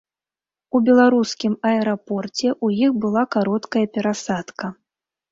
У беларускім аэрапорце ў іх была кароткая перасадка.